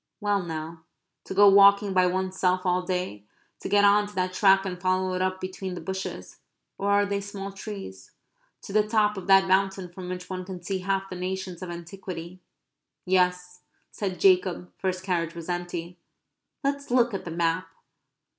Well now, to go walking by oneself all day to get on to that track and follow it up between the bushes or are they small trees? to the top of that mountain from which one can see half the nations of antiquity "Yes," said Jacob, for his carriage was empty, "let's look at the map."